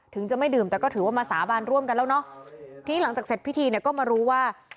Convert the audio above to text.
ถึงจะไม่ดื่มแต่ก็ถือว่ามาสาบานร่วมกันแล้วเนอะทีหลังจากเสร็จพิธีเนี่ยก็มารู้ว่า